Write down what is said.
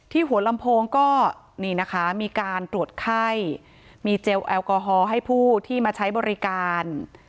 หัวลำโพงก็นี่นะคะมีการตรวจไข้มีเจลแอลกอฮอล์ให้ผู้ที่มาใช้บริการ